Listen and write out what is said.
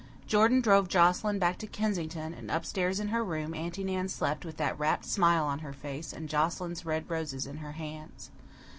Jordan drove Joscelyn back to Kensington; and up stairs in her room Aunty Nan slept, with that rapt smile on her face and Joscelyn's red roses in her hands.